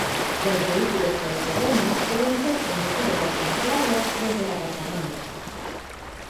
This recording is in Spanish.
Los vehículos todo-terreno pueden ser conducidos hasta la playa, desde el aparcamiento.